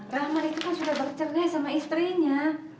rahmat itu kan sudah bercernaya sama istrinya